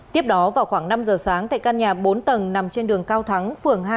tiếp đó vào khoảng năm giờ sáng tại căn nhà bốn tầng nằm trên đường cao thắng phường hai